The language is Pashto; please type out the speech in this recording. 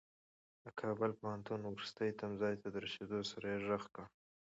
د کابل پوهنتون وروستي تمځای ته د رسېدو سره يې غږ کړ.